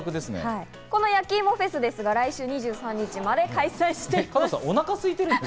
このやきいもフェスですが、来週の２３日まで開催しています。